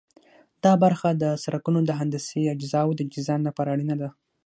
دا برخه د سرکونو د هندسي اجزاوو د ډیزاین لپاره اړینه ده